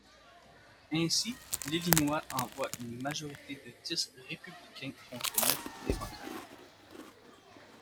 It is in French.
Ainsi l'Illinois envoie une majorité de dix républicains contre neuf démocrates.